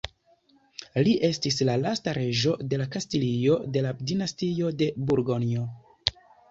Li estis la lasta reĝo de Kastilio de la Dinastio de Burgonjo.